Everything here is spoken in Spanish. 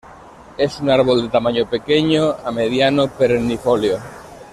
Es un árbol de tamaño pequeño a mediano perennifolio.